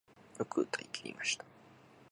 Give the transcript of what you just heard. よく歌い切りました